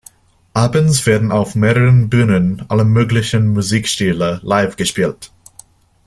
Abends werden auf mehreren Bühnen alle möglichen Musikstile live gespielt.